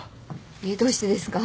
えっどうしてですか？